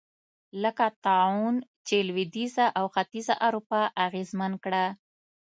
لکه طاعون چې لوېدیځه او ختیځه اروپا اغېزمن کړه.